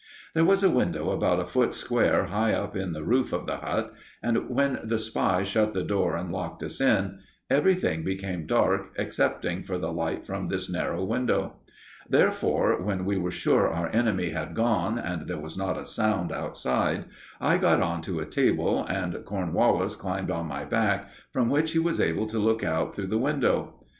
There was a window about a foot square high up in the roof of the hut, and when the spy shut the door and locked us in, everything became dark excepting for the light from this narrow window. Therefore, when we were sure our enemy had gone, and there was not a sound outside, I got on to a table, and Cornwallis climbed on my back, from which he was able to look out through the window.